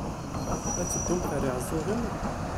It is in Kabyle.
Ad teddumt ar Iɛeẓẓugen?